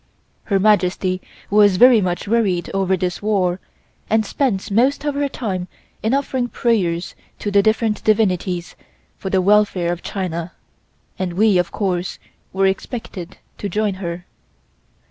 Her Majesty was very much worried over this war and spent most of her time in offering prayers to the different divinities for the welfare of China and we, of course, were expected to join her.